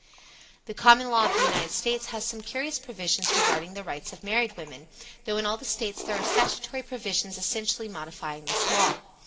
The common law of the United States has some curious provisions regarding the rights of married women, though in all the States there are statutory provisions essentially modifying this law.